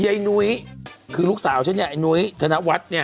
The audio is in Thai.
เย้ไอ้นุ้ยคือลูกสาวฉันนี่ไอ้นุ้ยชนะวัฒน์นี่